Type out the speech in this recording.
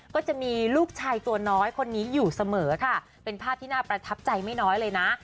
ก็จะมีลูกชายตัวน้อยคนนี้อยู่เสมอค่ะเป็นภาพที่น่าประทับใจไม่น้อยเลยนะ